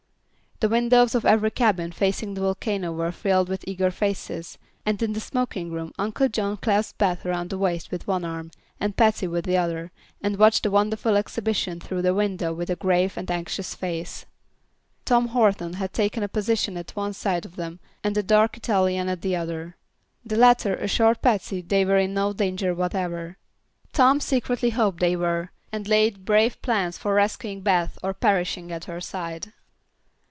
The windows of every cabin facing the volcano were filled with eager faces, and in the smoking room Uncle John clasped Beth around the waist with one arm and Patsy with the other and watched the wonderful exhibition through the window with a grave and anxious face. Tom Horton had taken a position at one side of them and the dark Italian at the other. The latter assured Patsy they were in no danger whatever. Tom secretly hoped they were, and laid brave plans for rescuing Beth or perishing at her side.